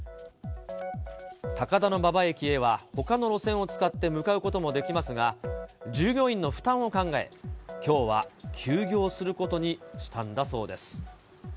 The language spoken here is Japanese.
高田馬場駅へは、ほかの路線を使って向かうこともできますが、従業員の負担を考え、きょうは休業することにしたんだそうです。